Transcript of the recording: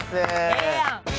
ええやん！